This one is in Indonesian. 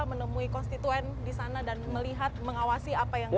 menemui konstituen di sana dan melihat mengawasi apa yang